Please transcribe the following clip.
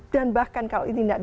dan bahkan kalau ini tidak